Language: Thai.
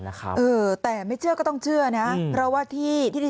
เออแต่ไม่เชื่อก็ต้องเชื่อน่ะเพราะว่าที่ที่ที่